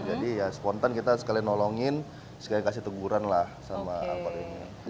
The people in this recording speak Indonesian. jadi ya spontan kita sekalian nolongin sekalian kasih teguran lah sama angkot ini